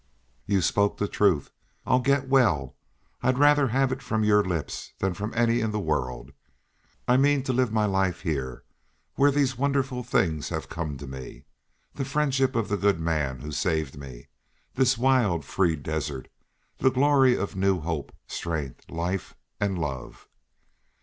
"You spoke the truth. I'll get well. I'd rather have had it from your lips than from any in the world. I mean to live my life here where these wonderful things have come to me. The friendship of the good man who saved me, this wild, free desert, the glory of new hope, strength, life and love."